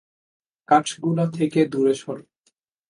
কাঠগুলো থেকে দূরে সর।